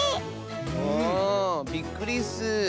あびっくりッス！